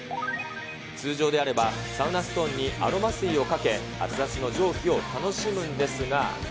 通常であれば、サウナストーンにアロマ水をかけ、熱々の蒸気を楽しむんですが。